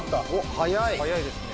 早いですね。